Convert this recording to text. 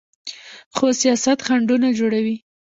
خو سیاست خنډونه جوړوي.